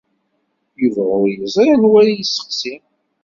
Yuba ur yeẓri anwa ara yesseqsi.